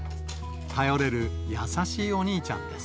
頼れる優しいお兄ちゃんです。